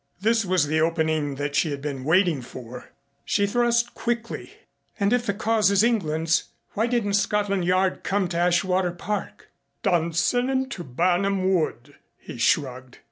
This was the opening that she had been waiting for. She thrust quickly. "And if the cause is England's why didn't Scotland Yard come to Ashwater Park?" "Dunsinane to Burnam Wood!" he shrugged.